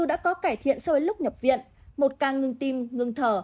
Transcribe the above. dù đã có cải thiện sau lúc nhập viện một càng ngừng tim ngừng thở